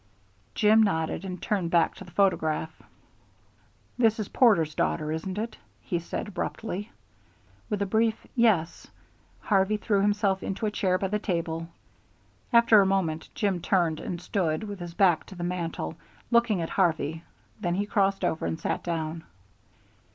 Jim nodded, and turned back to the photograph. "This is Porter's daughter, isn't it?" he said abruptly. With a brief "Yes," Harvey threw himself into a chair by the table. After a moment Jim turned and stood with his back to the mantel, looking at Harvey, then he crossed over and sat down.